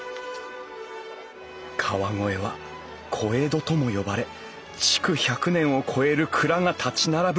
川越は小江戸とも呼ばれ築１００年を超える蔵が立ち並ぶ